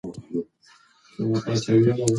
پاک الله دا نړۍ په پوره حکمت سره پیدا کړې ده.